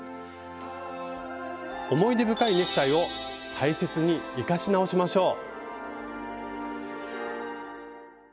思い出深いネクタイを大切に生かし直しましょう！